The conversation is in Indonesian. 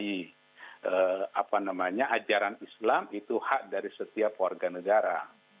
jadi apa namanya ajaran islam itu hak dari setiap warga negara